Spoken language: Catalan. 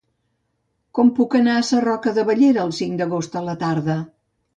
Com puc anar a Sarroca de Bellera el cinc d'agost a la tarda?